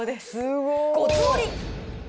ごつ盛り。